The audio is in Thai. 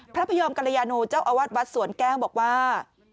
พระพระยอมกรยานูเจ้าอวัดวัดสวนแก้วบอกว่า